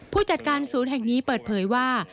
ผู้จัดการศูนย์แห่งนี้เปิดเผยว่า